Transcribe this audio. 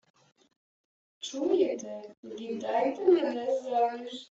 — Чуєте, віддайте мене заміж.